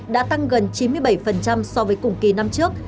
đã tăng gần chín mươi bảy so với cùng kỳ năm trước